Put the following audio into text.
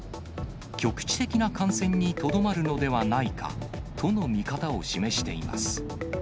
局地的な感染にとどまるのではないかとの見方を示しています。